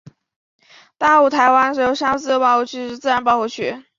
大武台湾油杉自然保护区是位于中华民国台东县达仁乡的自然保护区。